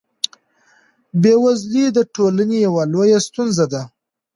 بېوزلي د ټولنې یوه لویه ستونزه ده.